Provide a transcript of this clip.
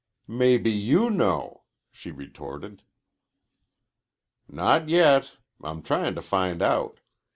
"Maybe you know," she retorted. "Not yet. I'm tryin' to find out.